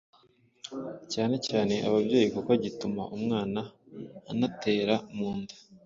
cyane cyane ababyeyi kuko gituma umwana anetera mu nda,